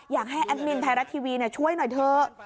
อยากแบบแอดมินไทรรัตช์ทีวีเนี่ยช่วยหน่อยเถอะ